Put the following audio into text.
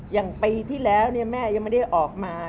อย่างปีที่แล้วแม่ยังไม่ได้ออกมา